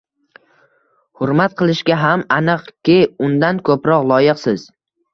Hurmat qilinishga ham, aniqki, undan ko‘proq loyiqsiz.